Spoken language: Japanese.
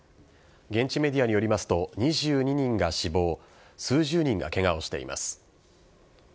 現地メディアによりますと２２人が死亡数十人がケガをしています。